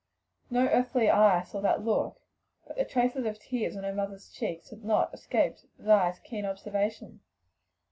No earthly eye saw that look, but the traces of tears on her mother's cheeks had not escaped Vi's keen observation.